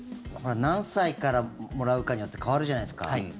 何歳からもらうかによって変わるじゃないですか。